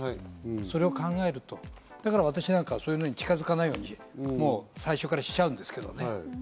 それを考えると私なんかはそれに近づかないように最初からしちゃうんですけどね。